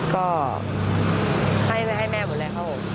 ก็ให้แม่หมดเลยครับผม